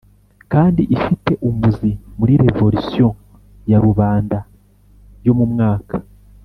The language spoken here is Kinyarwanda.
kandi ifite umuzi muri revorusiyo ya rubanda yo mu mwaka